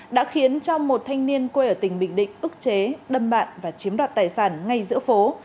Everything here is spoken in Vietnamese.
đã khiến cho một thanh niên quê ở tỉnh bình định ức chế đâm bạn và chiếm đoạt tài sản ngay giữa phố